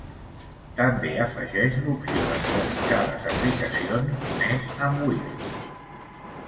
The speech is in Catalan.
També afegeix l'opció d'actualitzar les aplicacions només amb Wi-Fi.